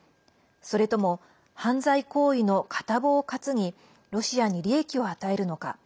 それとも犯罪行為の片棒を担ぎロシアに利益を与えるのか。